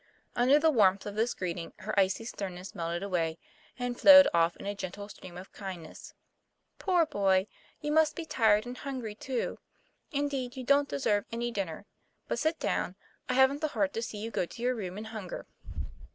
Under the warmth of this greeting, her icy stern ness melted away, and flowed off in a gentle stream of kindness. 'Poor boy! you must be tired and hungry, too. Indeed you don't deserve any dinner. But sit down; I haven't the heart to see you go to your room in hunger."